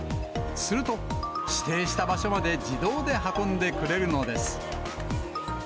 すると、指定した場所まで自動で運んでくれるのです。